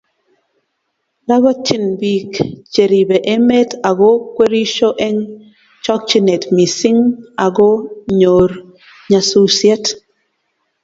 lobptyini biik cheribe emet ago kwerisho eng chokchinet missing ago nyoor nyasusiet